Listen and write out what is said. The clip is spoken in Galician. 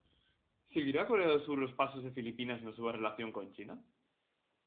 Seguirá Corea do Sur os pasos de Filipinas na súa relación con China?